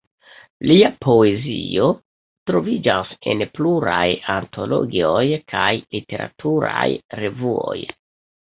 Lia poezio troviĝas en pluraj antologioj kaj literaturaj revuoj.